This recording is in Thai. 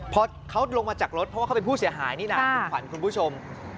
พอเขาลงมาจากรถเพราะว่าเขาเป็นผู้เสียหายนี่แหละคุณขวัญคุณผู้ชม